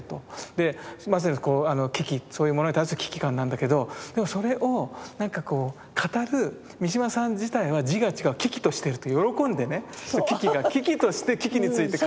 でまさにこう「危機」そういうものに対する危機感なんだけどでもそれを何かこう語る三島さん自体は字が違う「嬉々」としてるという喜んでね危機が嬉々として危機について語ってて。